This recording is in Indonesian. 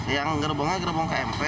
yang gerbongnya gerbong kmp